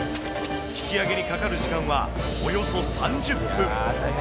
引き上げにかかる時間はおよそ３０分。